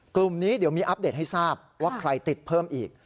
กลุ่มนี้เดี๋ยวมีอัปเดตให้ทราบว่าใครติดเพิ่มอีก